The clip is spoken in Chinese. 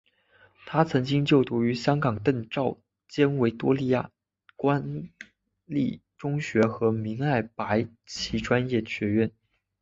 他曾经就读于香港邓肇坚维多利亚官立中学和明爱白英奇专业学校。